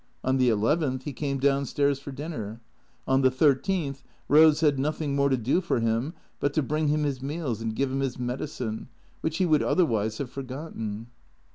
On the eleventh he came down stairs for dinner. On the thirteenth Rose had nothing more to do for him but to bring him his meals and give him his medicine, which he would otherwise have forgotten.